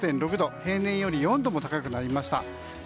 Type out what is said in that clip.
平年より４度も高くなりました。